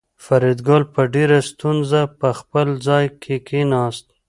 فریدګل په ډېره ستونزه په خپل ځای کې کېناست